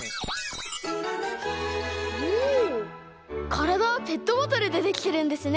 からだはペットボトルでできてるんですね。